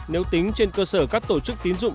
nếu tính trên cơ sở các tổ chức tín dụng